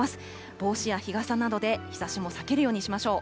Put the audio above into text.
帽子や日傘などで日ざしも避けるようにしましょう。